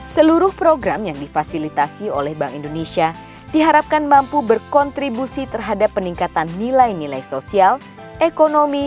seluruh program yang difasilitasi oleh bank indonesia diharapkan mampu berkontribusi terhadap peningkatan nilai nilai sosial ekonomi